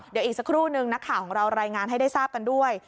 เดี๋ยวอีกสักครู่นึงนักข่าวของเรารายงานให้ได้ทราบกันด้วย